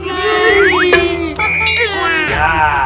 nanti ketahuan sama saya